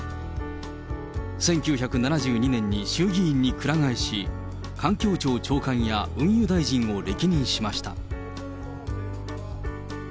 １９７２年に衆議院にくら替えし、環境庁長官や運輸大臣を歴任しました。